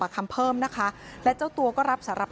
คำเพิ่มนะคะและเจ้าตัวก็รับสารภาพ